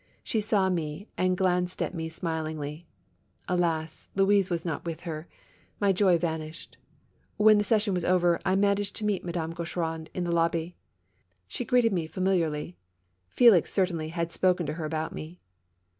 She saw me and glanced at me smilingly. Alas 1 Louise was not with her. My joy vanished. When the session was over, I managed to meet Madame Gaucheraud in a lobby. She greeted me familiarly. Felix, certainly, had spoken to her about me.